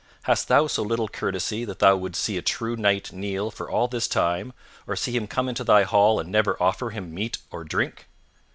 Hast thou so little courtesy that thou wouldst see a true knight kneel for all this time, or see him come into thy hall and never offer him meat or drink?"